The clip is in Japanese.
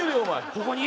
ここに？